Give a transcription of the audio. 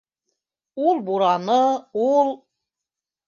Ул бураны, ул...